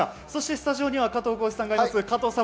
スタジオには加藤浩次さんがいます。